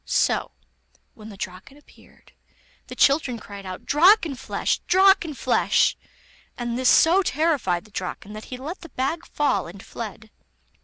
So, when the Draken appeared, the children cried out: 'Drakenflesh! Drakenflesh!' and this so terrified the Draken that he let the bag fall and fled.